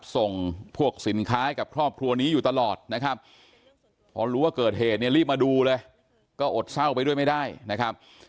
ตัวนี้อยู่ตลอดนะครับเพราะรู้ว่าเกิดเหตุเนี่ยรีบมาดูเลยก็อดเศร้าไปด้วยไม่ได้นะครับ